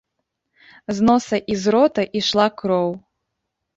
З носа і з рота ішла кроў.